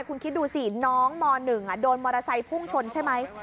คุณคิดดูสิน้องม๑โดนมอเตอร์ไซค์พุ่งชนใช่ไหม